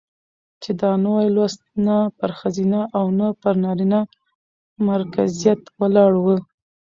چې دا نوى لوست نه پر ښځينه او نه پر نرينه مرکزيت ولاړ و،